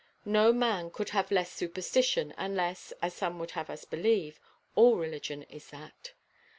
No man could have less superstition, unless (as some would have us believe) all religion is that.